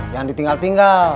jangan ditinggal tim